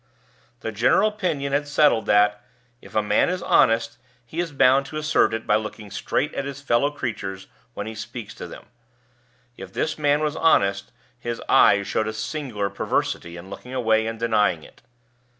The general opinion has settled that, if a man is honest, he is bound to assert it by looking straight at his fellow creatures when he speaks to them. If this man was honest, his eyes showed a singular perversity in looking away and denying it.